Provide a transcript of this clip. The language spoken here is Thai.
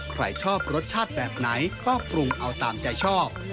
ใครชอบรสชาติแบบไหนครอบคลุมเอาตามใจชอบ